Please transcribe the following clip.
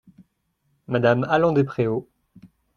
M me Allan-Despréaux.